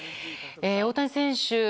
大谷選手